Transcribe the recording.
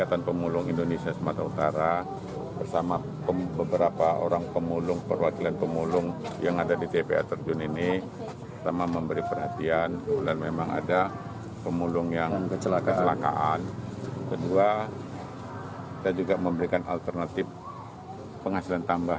assalamualaikum warahmatullahi wabarakatuh